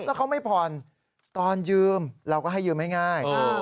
ถ้าเขาไม่ผ่อนตอนยืมเราก็ให้ยืมง่าย